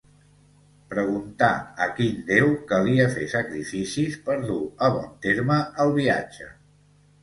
preguntà a quin déu calia fer sacrificis per dur a bon terme el viatge